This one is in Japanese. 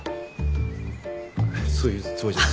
そういうつもりじゃ。